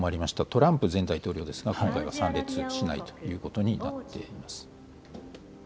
トランプ前大統領ですが、今回は参列しないということになっています。